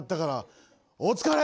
お疲れ！